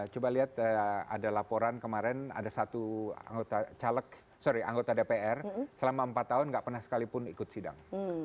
coba lihat ada laporan kemarin ada satu anggota caleg sorry anggota dpr selama empat tahun nggak pernah sekalipun ikut sidang